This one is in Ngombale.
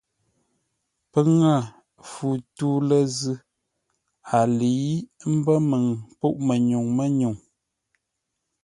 Pə́ ŋə̂ fu tû lə́ zʉ́ ə́ lə̌i mbə́ məŋ pûʼ-mənyuŋ mə́nyúŋ mə́nyúŋ,